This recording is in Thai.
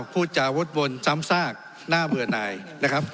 พูดจาวดบนจำซากหน้าเมื่อนายนะครับ